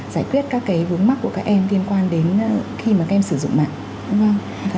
giải quyết các cái vướng mắt của các em liên quan đến khi mà các em sử dụng mạng